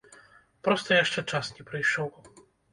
Проста яшчэ час не прыйшоў.